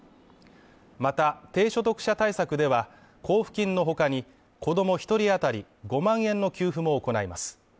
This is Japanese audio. また、低所得者対策では、交付金のほかに、子供１人あたり５万円の給付も行います。